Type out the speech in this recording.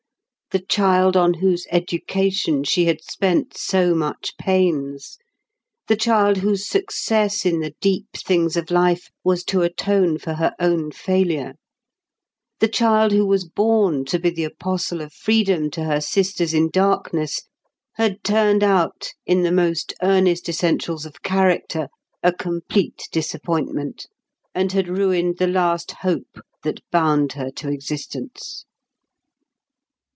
The child on whose education she had spent so much pains, the child whose success in the deep things of life was to atone for her own failure, the child who was born to be the apostle of freedom to her sisters in darkness, had turned out in the most earnest essentials of character a complete disappointment, and had ruined the last hope that bound her to existence.